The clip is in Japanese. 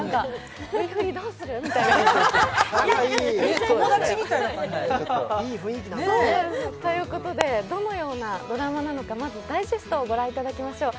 Ｖ振りどうする？みたいな。ということでどのようなドラマなのかまずダイジェストをご覧いただきましょう。